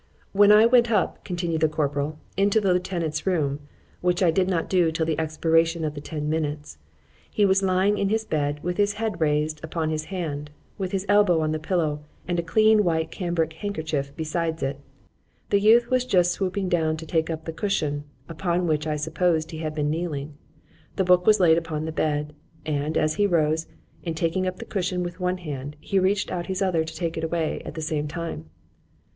When I went up, continued the corporal, into the lieutenant's room, which I did not do till the expiration of the ten minutes,—he was lying in his bed with his head raised upon his hand, with his elbow upon the pillow, and a clean white cambrick handkerchief beside it:——The youth was just stooping down to take up the cushion, upon which I supposed he had been kneeling,—the book was laid upon the bed,—and, as he rose, in taking up the cushion with one hand, he reached out his other to take it away at the same time.